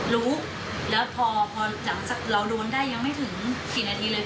รู้แล้วพอหลังจากเราโดนได้ยังไม่ถึงกี่นาทีเลย